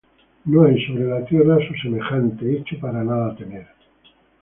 No hay sobre la tierra su semejante, Hecho para nada temer.